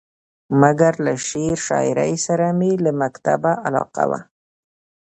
مګر له شعر شاعرۍ سره مې له مکتبه علاقه وه.